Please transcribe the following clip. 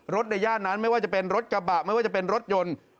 ในย่านนั้นไม่ว่าจะเป็นรถกระบะไม่ว่าจะเป็นรถยนต์